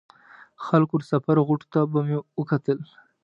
خپلې د سفر غوټو ته به مې وکتل.